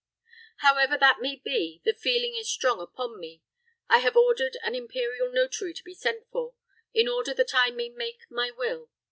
However that may be, the feeling is strong upon me. I have ordered an imperial notary to be sent for, in order that I may make my will.